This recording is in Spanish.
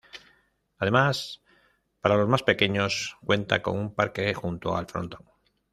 Además para los más pequeños, cuenta con un parque junto al Frontón.